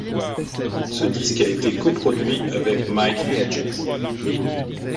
Ce disque a été coproduit avec Mike Hedges.